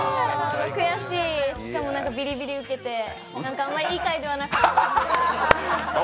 しかもビリビリ受けて、あんまりいい回ではなかった。